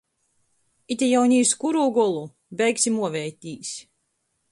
Ite jau ni iz kurū golu! Beigsim uovētīs!